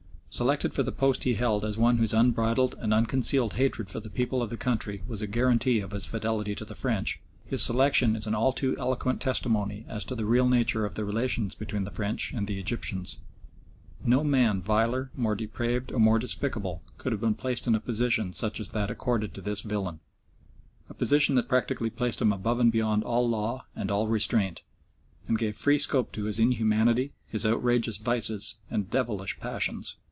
Selected for the post he held as one whose unbridled and unconcealed hatred for the people of the country was a guarantee of his fidelity to the French, his selection is an all too eloquent testimony as to the real nature of the relations between the French and the Egyptians. No man viler, more depraved, or more despicable, could have been placed in a position such as that accorded to this villain a position that practically placed him above and beyond all law and all restraint, and gave free scope to his inhumanity, his outrageous vices, and devilish passions.